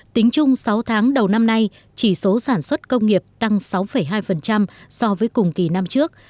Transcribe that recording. tính chung sáu tháng đầu năm nay chỉ số sản xuất công nghiệp tăng sáu hai so với cùng kỳ năm trước